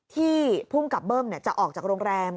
ที่ภูมิกับเบิ้มเนี่ยจะออกจากโรงแรม